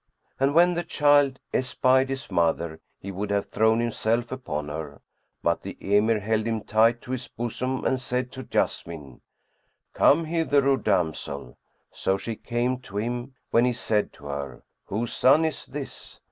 And when the child espied his mother, he would have thrown himself upon her; but the Emir held him tight to his bosom and said to Jessamine, "Come hither, O damsel." So she came to him, when he said to her, "Whose son is this?"